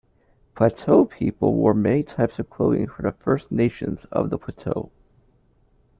Plateau people wore many types of clothing for the First Nations of the Plateau.